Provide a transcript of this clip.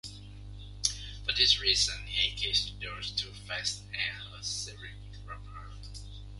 For this reason, he keeps those two facts as a secret from her.